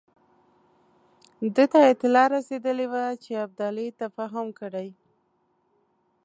ده ته اطلاع رسېدلې وه چې ابدالي تفاهم کړی.